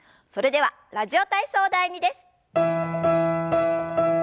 それでは「ラジオ体操第２」です。